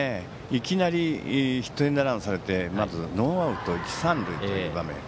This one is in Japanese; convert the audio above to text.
いきなりヒットエンドランをされてまずノーアウト一、三塁という場面。